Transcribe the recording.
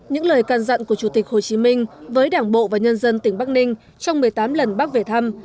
những lời can dặn của chủ tịch hồ chí minh với đảng bộ và nhân dân tỉnh bắc ninh trong một mươi tám lần bác về thăm